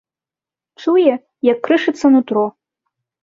Чуе, як крышыцца нутро.